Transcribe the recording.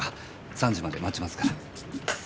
３時まで待ちますから。